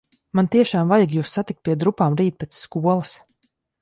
Man tiešām vajag jūs satikt pie drupām rīt pēc skolas.